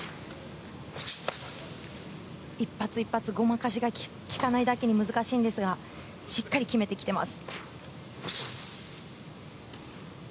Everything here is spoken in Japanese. １発１発ごまかしがきかないだけに難しいんですがしっかり決めてきています。